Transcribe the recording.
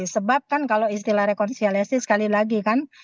sebab kan kalau istilah rekonsiliasi sekali lagi kan